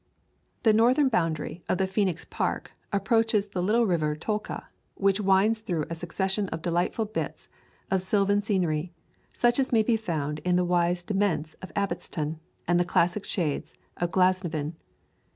The northern boundary of the Phoenix Park approaches the little river Tolka, which winds through a succession of delightful bits of sylvan scenery, such as may be found in the wide demesne of Abbotstown and the classic shades of Glasnevin.